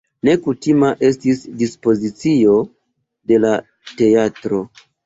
Nekutima estis dispozicio de la teatro.